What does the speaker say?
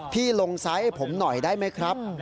พี่ลงไซส์ให้ผมหน่อยได้ไหมครับ